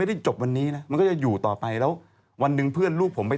แล้วผมทำอย่างไร